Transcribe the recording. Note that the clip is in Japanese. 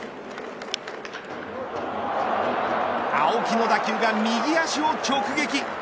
青木の打球が右足を直撃。